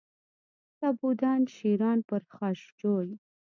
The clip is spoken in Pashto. که بودند شیران پرخاشجوی